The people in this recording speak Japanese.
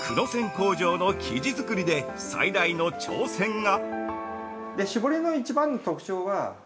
工場の生地作りで最大の挑戦が◆